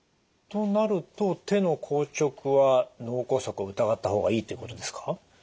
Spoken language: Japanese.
となると手の硬直は脳梗塞を疑った方がいいってことですか？